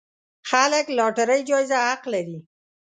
خلک لاټرۍ جايزه حق لري.